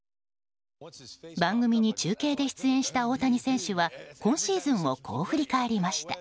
番組に中継で出演した大谷選手は今シーズンをこう振り返りました。